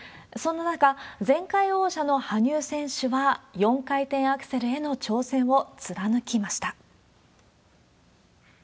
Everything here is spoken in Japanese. そんな中、前回王者の羽生選手は、４回転アクセルへの挑戦を貫きました。